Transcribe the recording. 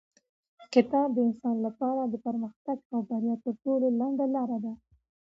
کتاب د انسان لپاره د پرمختګ او بریا تر ټولو لنډه لاره ده.